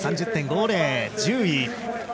３０．５０で１０位。